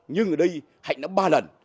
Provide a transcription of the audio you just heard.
nhưng ở đây hạnh đã ba lần